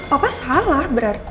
papa salah berarti